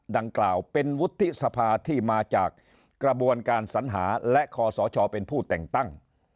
ดังกล่าวเป็นวุฒิสภาที่มาจากกระบวนการสัญหาและคอสชเป็นผู้แต่งตั้ง